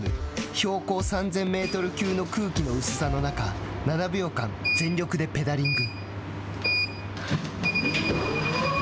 標高３０００メートル級の空気の薄さの中７秒間、全力でペダリング。